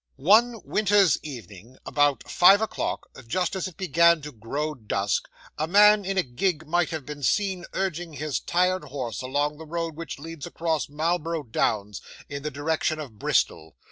'One winter's evening, about five o'clock, just as it began to grow dusk, a man in a gig might have been seen urging his tired horse along the road which leads across Marlborough Downs, in the direction of Bristol.